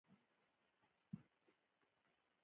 انار د افغان ځوانانو لپاره دلچسپي لري.